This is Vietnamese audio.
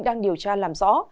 đang điều tra làm rõ